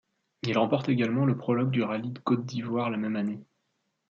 Il remporte également le prologue du Rallye de Côte d'Ivoire la même année.